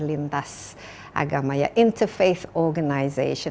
lintas agama ya interface organization